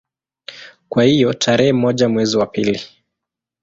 Kwa hiyo tarehe moja mwezi wa pili